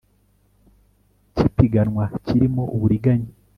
cy ipiganwa kirimo uburiganya